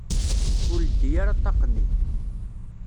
Ur leddi ara ṭṭaq-nni.